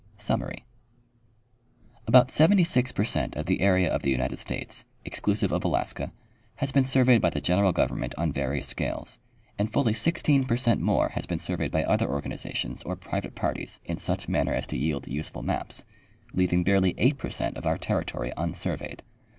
Summary. About 76 per cent of the area of the United States, exclusive of Alaska, has been surveyed by the general government on various scales, and fully 16 per cent more has been surveyed by other organizations or private parties in such manner as to yield useful maps, leaving barely 8 per cent of our territory un surveyed.